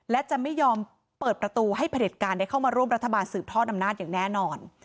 และจะไม่ยอมเปิดประตูให้ผลิตการได้เข้ามาร่วมรัฐบาลสืบทอดอำนาจอย่างแน่นอน